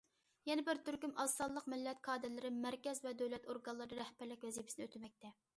يەنە بىر تۈركۈم ئازسانلىق مىللەت كادىرلىرى مەركەز ۋە دۆلەت ئورگانلىرىدا رەھبەرلىك ۋەزىپىسىنى ئۆتىمەكتە.